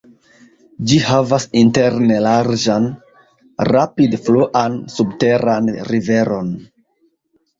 Ĝi havas interne larĝan rapid-fluan subteran riveron.